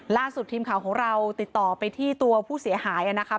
ล่าสุดทีมข่าวของเราติดต่อไปที่ตัวผู้เสียหายนะครับ